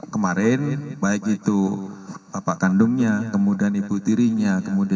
kemarin baik itu bapak kandungnya kemudian ibu tirinya